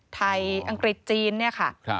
อังกฤษจีนเนี่ยค่ะ